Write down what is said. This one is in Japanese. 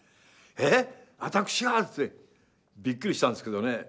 「えっ私が？」ってびっくりしたんですけどね。